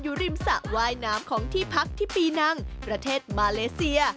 ริมสระว่ายน้ำของที่พักที่ปีนังประเทศมาเลเซีย